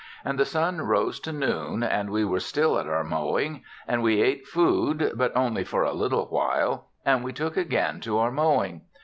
And the sun rose to noon and we were still at our mowing; and we ate food, but only for a little while, and we took again to our mowing.